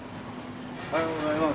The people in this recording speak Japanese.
おはようございます。